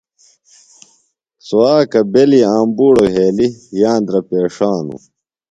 سوۡ اکہ بیلیۡ آمبُوڑو وھیلیۡ یاندرہ پیݜانوۡ۔